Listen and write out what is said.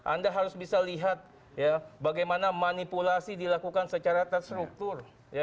anda harus bisa lihat bagaimana manipulasi dilakukan secara terstruktur